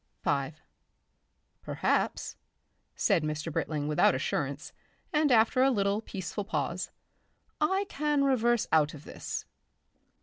Section 5 "Perhaps," said Mr. Britling without assurance, and after a little peaceful pause, "I can reverse out of this."